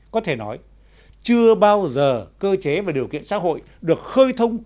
có thể nói chưa bao giờ cơ chế và điều kiện xã hội được khơi thông